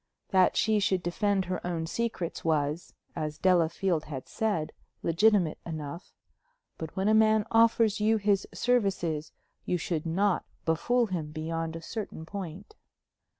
That she should defend her own secrets was, as Delafield had said, legitimate enough. But when a man offers you his services, you should not befool him beyond a certain point.